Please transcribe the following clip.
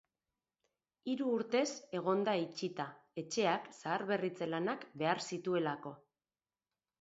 Hiru urtez egon da itxita, etxeak zaharberritze lanak behar zituelako.